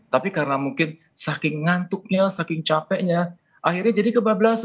tapi karena mungkin saking ngantuknya saking capeknya akhirnya jadi kebablasan